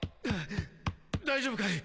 大丈夫かい？